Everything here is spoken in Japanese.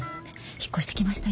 引っ越してきました